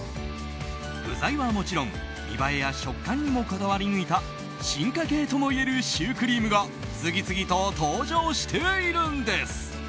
具材はもちろん見栄えや食感にもこだわり抜いた進化系ともいえるシュークリームが次々と登場しているんです。